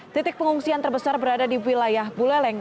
titik pengungsian terbesar berada di wilayah buleleng